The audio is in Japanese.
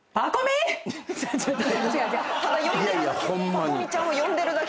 パコ美ちゃんを呼んでるだけ。